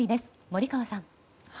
森川さん。